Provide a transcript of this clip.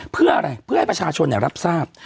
เพื่ออะไรเพื่อให้ประชาชนรับทราบ